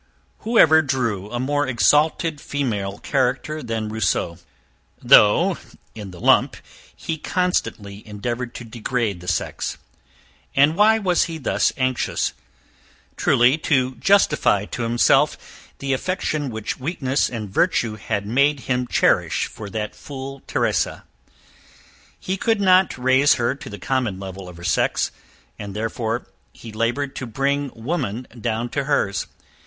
Whoever drew a more exalted female character than Rousseau? though in the lump he constantly endeavoured to degrade the sex. And why was he thus anxious? Truly to justify to himself the affection which weakness and virtue had made him cherish for that fool Theresa. He could not raise her to the common level of her sex; and therefore he laboured to bring woman down to her's.